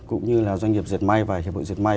cũng như là doanh nghiệp dệt may và hiệp hội dệt may